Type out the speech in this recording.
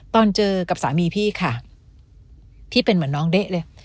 ตอนเจอกับสามีพี่ค่ะที่เป็นเหมือนน้องเด๊ะเลย